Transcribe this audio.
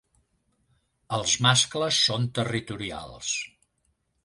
Els mascles són territorials.